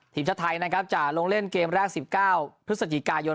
ทีมชาติไทยนะครับจะลงเล่นเกมแรก๑๙พฤศจิกายน